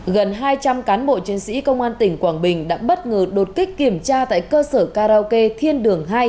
gần hai trăm linh cán bộ chiến sĩ công an tỉnh quảng bình đã bất ngờ đột kích kiểm tra tại cơ sở karaoke thiên đường hai